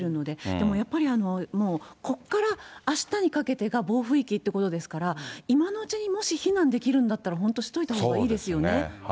でもやっぱり、もうここからあしたにかけてが暴風域ってことですから、今のうちにもし避難できるんだったら、本当しといたほうがいいですよね。